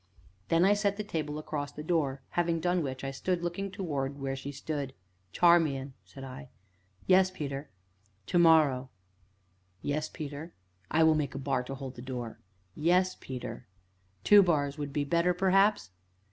Then I set the table across the door, having done which I stood looking towards where she yet stood. "Charmian," said I. "Yes, Peter." "To morrow " "Yes, Peter?" "I will make a bar to hold the door." "Yes, Peter." "Two bars would be better, perhaps?"